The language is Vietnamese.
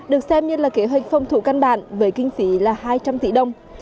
được xem như là kế hoạch phòng thủ căn bản với kinh phí là hai trăm linh tỷ đồng